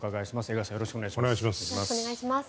よろしくお願いします。